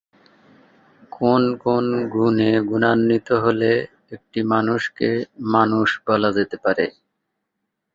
পাশ্চাত্যের নারী আন্দোলনের আদলে মধ্যপ্রাচ্যের নারীদের আন্তর্জাতিকভাবে একটা নারী সংগঠন গঠন করার ধারণা বার্লিন সম্মেলন থেকে রূপ পেয়েছিল।